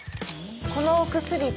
このお薬と。